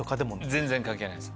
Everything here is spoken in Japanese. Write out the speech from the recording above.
全然関係ないです。